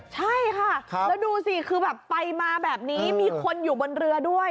ใช่ค่ะแล้วดูสิคือแบบไปมาแบบนี้มีคนอยู่บนเรือด้วย